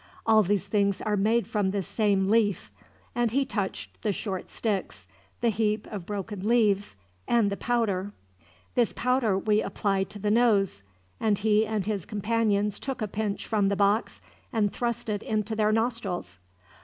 All these are made from the same leaf," and he touched the short sticks, the heap of broken leaves, and the powder. "This powder we apply to the nose," and he and his companions took a pinch from the box, and thrust it into their nostrils.